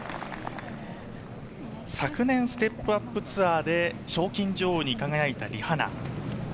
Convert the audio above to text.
昨年、ステップアップツアーで賞金女王に輝いたリ・ハナ。